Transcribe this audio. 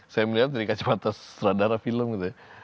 saya melihat dari kacamata sutradara film gitu ya